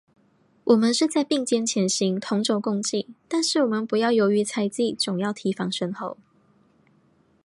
我们是在并肩前行，同舟共济，但是我们不要由于猜疑，总要提防身后。